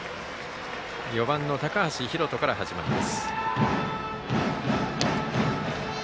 ４番の高橋海翔から始まります。